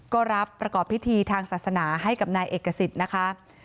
ก็รับประกอบพิธีทางศาสนาให้กับนายเอกสิทธิ์นะคะ